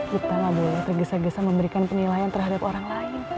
kita gak boleh tergesa gesa memberikan penilaian terhadap orang lain